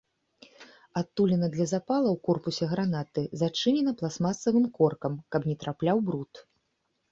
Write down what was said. Адтуліна для запала ў корпусе гранаты зачынена пластмасавым коркам, каб не трапляў бруд.